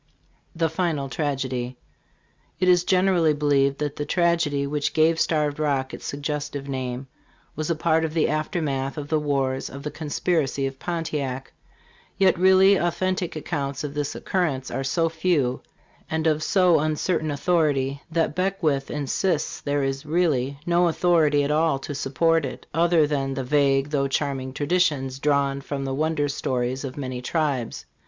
*:'; THE FINAL TRAGEDY. IT is generally believed that the tragedy which gave Starved Rock its suggestive name was a part of the aftermath of the wars of the conspiracy of Pontiac ; yet really authentic accounts of this occurrence are so few and of so uncertain authority that Beckwithf insists there is really no authority at all to support it, other than the "vague, though charming, traditions drawn from the wonder stories of many tribes."